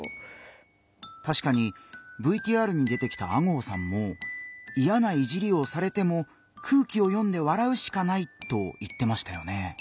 たしかにＶＴＲに出てきた吾郷さんも「イヤないじりをされても空気を読んで笑うしかない」と言ってましたよね。